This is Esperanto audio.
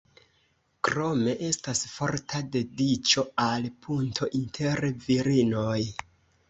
Krome estas forta dediĉo al punto inter virinoj.